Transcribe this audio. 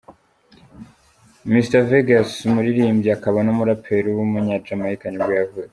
Mr Vegas, umuririmbyi akaba n’umuraperi w’umunya-Jamaica nibwo yavutse.